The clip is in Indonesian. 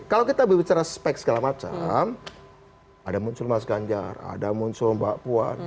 kalau kita berbicara spek segala macam ada muncul mas ganjar ada muncul mbak puan